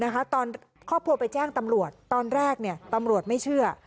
ตอนครอบครัวไปแจ้งตำรวจตอนแรกตำรวจไม่เชื่อ